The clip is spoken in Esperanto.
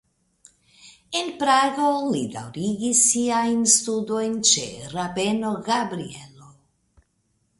En Prago li daŭrigis siajn studojn ĉe rabeno Gabrielo.